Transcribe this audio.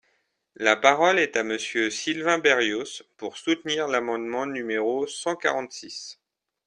La parole est à Monsieur Sylvain Berrios, pour soutenir l’amendement numéro cent quarante-six.